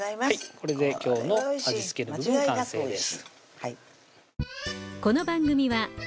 これで今日の味付けの部分完成です